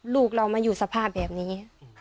ลูกเรามาอยู่สภาพแบบนี้